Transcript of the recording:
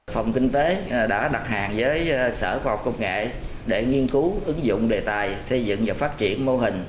phòng kinh tế đã đặt hàng với sở khoa học công nghệ để nghiên cứu ứng dụng đề tài xây dựng và phát triển mô hình